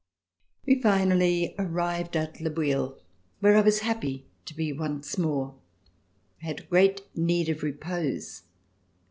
We finally arrived at Le Bouilh where I was happy to be once more. I had great need of repose.